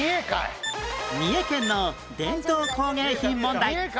三重県の伝統工芸品問題